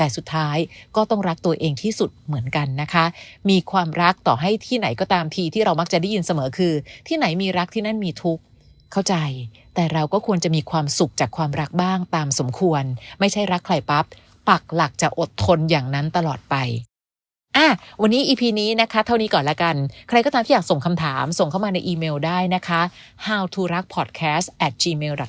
แต่สุดท้ายก็ต้องรักตัวเองที่สุดเหมือนกันนะคะมีความรักต่อให้ที่ไหนก็ตามทีที่เรามักจะได้ยินเสมอคือที่ไหนมีรักที่นั่นมีทุกข์เข้าใจแต่เราก็ควรจะมีความสุขจากความรักบ้างตามสมควรไม่ใช่รักใครปั๊บปักหลักจะอดทนอย่างนั้นตลอดไปวันนี้อีพีนี้นะคะเท่านี้ก่อนละกันใครก็ตามที่อยากส่งคำถามส่งเข้ามาในอีเมลได้นะคะ